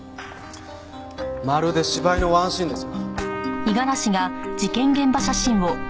まるで芝居のワンシーンですよ。